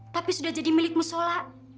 tapi sudah jadi milik musola